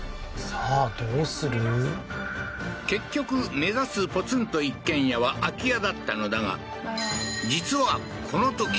結局目指すポツンと一軒家は空き家だったのだが実は何？